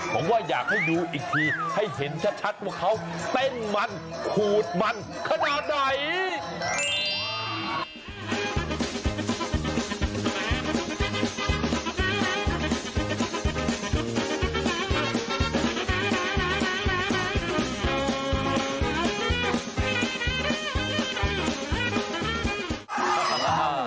ผมว่าอยากให้ดูอีกทีให้เห็นชัดว่าเขาเต้นมันขูดมันขนาดไหน